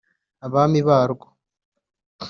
abami barwo